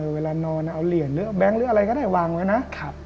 เวลานอนเอาเหรียญเอาแบงค์อะไรก็ได้วางแล้วนะ